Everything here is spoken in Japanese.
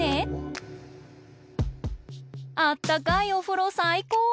あったかいおふろさいこう！